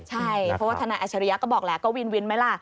ใช่เพราะว่าทนายอัชริยะก็บอกแล้วก็วินวินไหมล่ะ